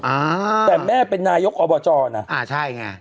เอ้าแต่แม่เป็นนายกอบาจรนะ